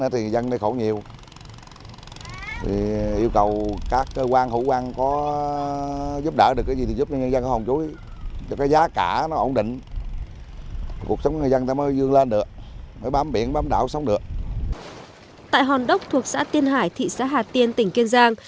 tại hòn đốc thuộc xã tiên hải thị xã hà tiên tỉnh kiên giang